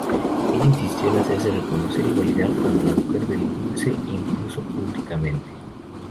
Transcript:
Ella insistió en hacerse reconocer y validar como la mujer del "Duce", incluso públicamente.